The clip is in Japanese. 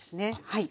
はい。